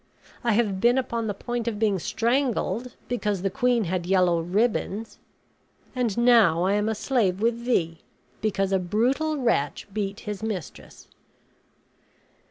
I have been upon the point of being strangled because the queen had yellow ribbons; and now I am a slave with thee, because a brutal wretch beat his mistress.